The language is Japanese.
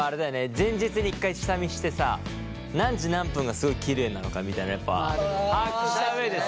前日に１回下見してさ何時何分がすごいきれいなのかみたいなのやっぱ把握した上でさ。